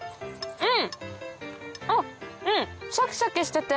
うん！